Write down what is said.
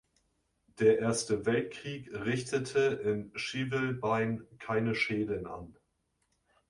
Der Erste Weltkrieg richtete in Schivelbein keine Schäden an.